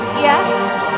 pemirsa pupr iya